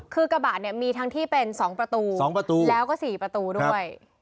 คือกระบะมีทั้งที่เป็น๒ประตูแล้วก็๔ประตูด้วย